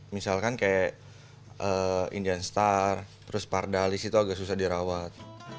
misalkan kayak indianstar terus pardalis itu agak susah dirawat